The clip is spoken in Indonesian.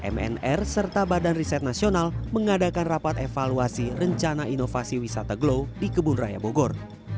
mnr serta badan riset nasional mengadakan rapat evaluasi rencana inovasi wisata glow di kebun raya bogor